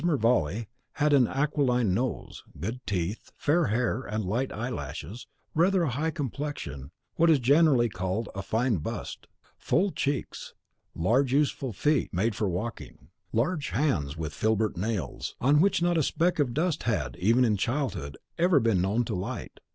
Mervale had an aquiline nose, good teeth, fair hair, and light eyelashes, rather a high complexion, what is generally called a fine bust; full cheeks; large useful feet made for walking; large, white hands with filbert nails, on which not a speck of dust had, even in childhood, ever been known to a light.